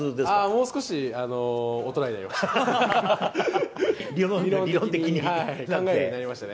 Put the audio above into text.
もう少し大人になりました。